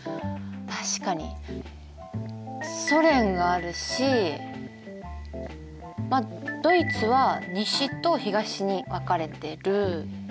確かにソ連があるしまあドイツは西と東に分かれてる。